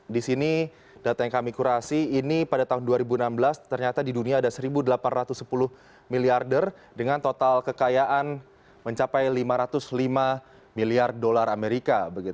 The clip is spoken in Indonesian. di sini data yang kami kurasi ini pada tahun dua ribu enam belas ternyata di dunia ada satu delapan ratus sepuluh miliarder dengan total kekayaan mencapai lima ratus lima miliar dolar amerika